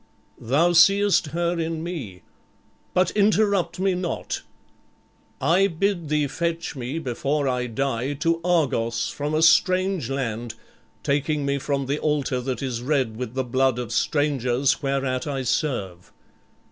"Thou seest her in me. But interrupt me not. '_I bid thee fetch me before I die to Argos from a strange land, taking me from the altar that is red with the blood of strangers, whereat I serve.